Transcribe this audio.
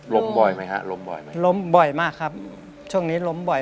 บ่อยไหมฮะล้มบ่อยไหมล้มบ่อยมากครับช่วงนี้ล้มบ่อย